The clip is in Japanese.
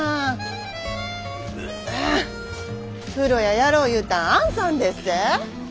風呂屋やろう言うたんあんさんでっせ。